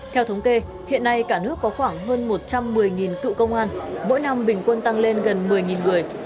theo thống kê hiện nay cả nước có khoảng hơn một trăm một mươi cựu công an mỗi năm bình quân tăng lên gần một mươi người